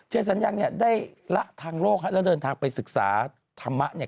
เจสัญญังได้ละทางโลกและเดินทางไปศึกษาธรรมะ